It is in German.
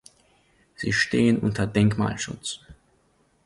Sie stehen under Denkmalschutz.